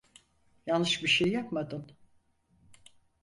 Yanlış bir şey yapmadın.